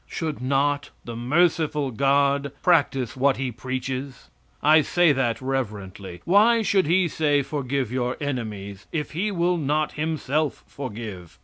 Should not the merciful God practice what he preaches? I say that reverently. Why should he say, "Forgive your enemies," if he will not himself forgive?